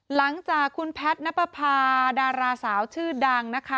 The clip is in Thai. หลังจากคุณแพทย์นับประพาดาราสาวชื่อดังนะคะ